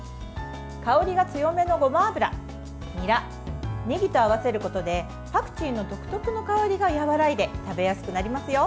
香りが強めのごま油にら、ねぎと合わせることでパクチーの独特の香りが和らいで食べやすくなりますよ。